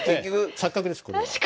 錯覚ですこれは。